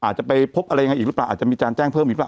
อาจจะไปพบอะไรยังไงอีกหรือเปล่าอาจจะมีการแจ้งเพิ่มอีกหรือเปล่า